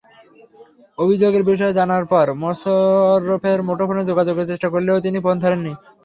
অভিযোগের বিষয়ে জানার জন্য মোশারেফের মুঠোফোনে যোগাযোগের চেষ্টা করলেও তিনি ফোন ধরেননি।